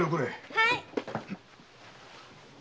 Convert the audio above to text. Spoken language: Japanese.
はい！